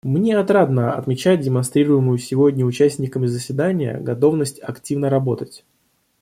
Мне отрадно отмечать демонстрируемую сегодня участниками заседания готовность активно работать.